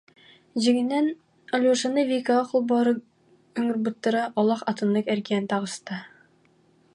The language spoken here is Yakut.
Дьиҥинэн, Алешаны Викаҕа холбоору ыҥырбыттара, олох атыннык эргийэн таҕыста